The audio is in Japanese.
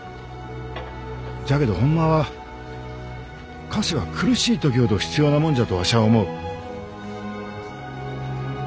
じゃけどホンマは菓子は苦しい時ほど必要なもんじゃとわしゃあ思う。